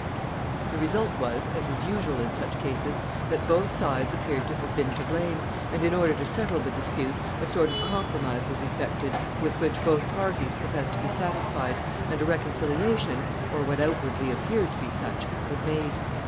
The result was, as is usual in such cases, that both sides appeared to have been to blame, and in order to settle the dispute a sort of compromise was effected, with which both parties professed to be satisfied, and a reconciliation, or what outwardly appeared to be such, was made.